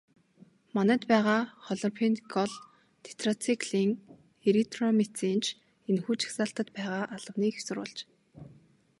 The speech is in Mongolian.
Манайд байгаа хлорамфеникол, тетрациклин, эритромицин ч энэхүү жагсаалтад байгааг албаны эх сурвалж мэдээллээ.